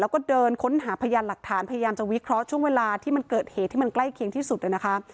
แล้วก็เดินค้นหาพยานหลักฐานพยายามจะวิเคราะห์ช่วงเวลาที่มันเกิดเหตุที่มันใกล้เคียงที่สุดนะคะ